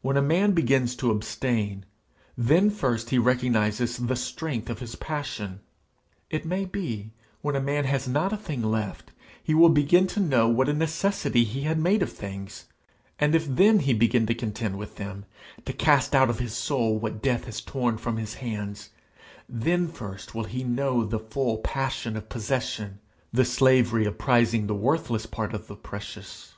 When a man begins to abstain, then first he recognizes the strength of his passion; it may be, when a man has not a thing left, he will begin to know what a necessity he had made of things; and if then he begin to contend with them, to cast out of his soul what Death has torn from his hands, then first will he know the full passion of possession, the slavery of prizing the worthless part of the precious.